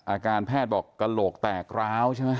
อาการแพทย์บอกกระโหลกแตกร้าวใช่ไหม